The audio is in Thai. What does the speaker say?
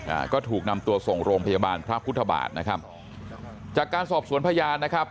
อ่าก็ถูกนำตัวส่งโรงพยาบาลพระพุทธบาทนะครับจากการสอบสวนพยานนะครับ